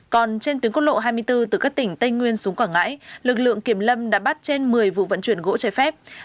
còn trên tuyến quốc lộ hai mươi bốn từ các tỉnh tây nguyên xuống quảng ngãi lực lượng kiểm lâm đã bắt trên một mươi vụ vận chuyển gỗ trái phép